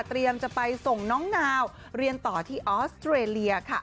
จะไปส่งน้องนาวเรียนต่อที่ออสเตรเลียค่ะ